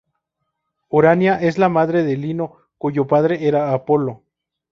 Urania es la madre de Lino cuyo padre era Apolo.